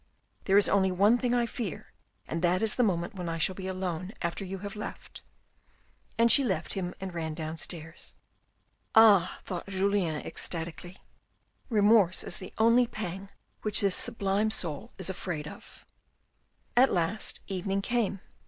There is only one thing I fear, and that is the moment when I shall be alone after you have left," and she left him and ran downstairs. "Ah," thought Julien ecstatically, "remorse is the only panger which this sublime soul is afraid of." 232 THE RED AND THE BLACK At last evening came.